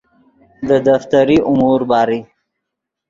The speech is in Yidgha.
دے دفتری امور باری